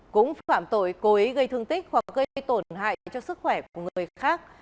cũng phạm tội cố ý gây thương tích hoặc gây tổn hại cho sức khỏe của người khác